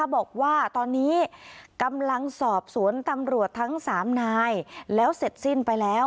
บอกว่าตอนนี้กำลังสอบสวนตำรวจทั้ง๓นายแล้วเสร็จสิ้นไปแล้ว